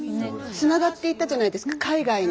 つながっていったじゃないですか海外に。